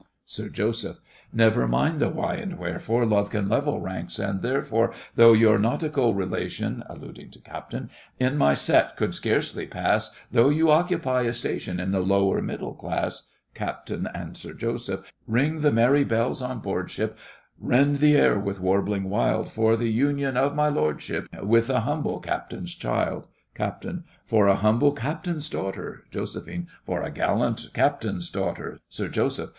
SIR JOSEPH. Never mind the why and wherefore, Love can level ranks, and therefore, Though your nautical relation (alluding to CAPT.) In my set could scarcely pass— Though you occupy a station In the lower middle class— CAPT. and Ring the merry bells on board ship, SIR JOSEPH Rend the air with warbling wild, For the union of { my } lordship your With a humble captain's child! CAPT. For a humble captain's daughter— JOS. For a gallant captain's daughter— SIR JOSEPH.